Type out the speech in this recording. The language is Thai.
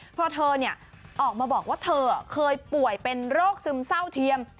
เพราะเธอออกมาบอกว่าเธอเคยป่วยเป็นโรคซึมเศร้าเทียม